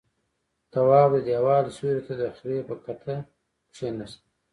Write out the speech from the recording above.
تواب د دېوال سيوري ته د خرې پر کته کېناست.